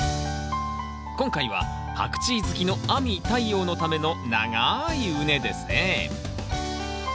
今回はパクチー好きの亜美・太陽のための長い畝ですね。